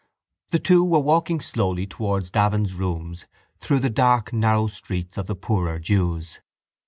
The two were walking slowly towards Davin's rooms through the dark narrow streets of the poorer jews.